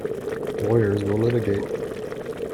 Lawyers will litigate.